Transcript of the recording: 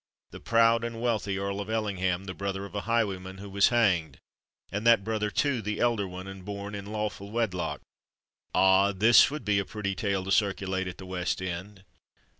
the proud and wealthy Earl of Ellingham the brother of a highwayman who was hanged,—and that brother, too, the elder one, and born in lawful wedlock! Ah! this would be a pretty tale to circulate at the West End!"